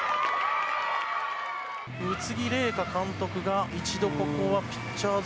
宇津木麗華監督が一度、ここはピッチャーズ